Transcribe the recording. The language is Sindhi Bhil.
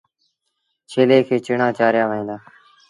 ڇيلي کي چڻآݩ چآريآ وهن دآ۔